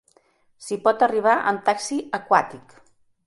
S'hi pot arribar amb taxi aquàtic.